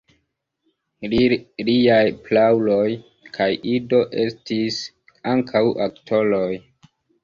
Liaj prauloj kaj ido estis ankaŭ aktoroj.